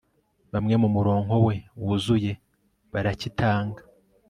Bamwe mumurongo we wuzuye baracyitanga